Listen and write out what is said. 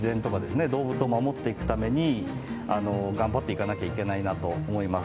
動物を守っていくために頑張っていかなきゃいけないなと思います。